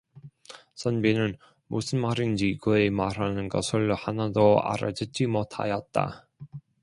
선비는 무슨 말인지 그의 말하는 것을 하나도 알아듣지 못하였다.